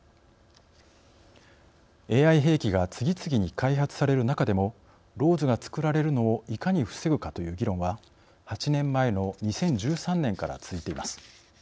ＡＩ兵器が次々に開発される中でもＬＡＷＳが造られるのをいかに防ぐかという議論は８年前の２０１３年から続いています。